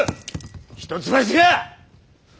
一橋が！